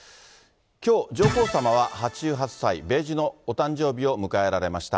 きょう、上皇さまは８８歳、米寿のお誕生日を迎えられました。